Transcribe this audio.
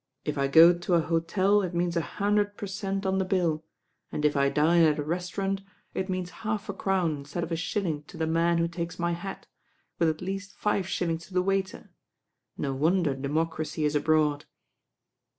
If I go to a hotel it means a hundred per cent, on the bill, and if I dine at a restaurant, it means half a crown in stead of a shilling to the man who takes my hat, with at least five shillings to the waiter. No won der democracy is abroad."